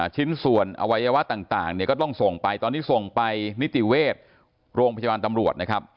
ชิ้นส่วนอวัยวะต่างเนี่ยก็ต้องส่งไปตอนนี้ส่งไปนิจิเวศพถนะครับ